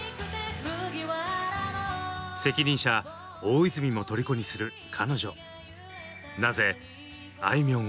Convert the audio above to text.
責任者・大泉もとりこにする彼女。